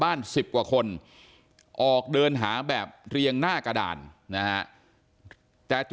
บ้าน๑๐กว่าคนออกเดินหาแบบเรียงหน้ากระดานนะฮะแต่